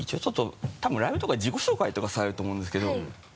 多分ライブとかで自己紹介とかされると思うんですけど。